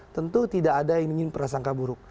tentu tidak ada yang ingin prasangka buruk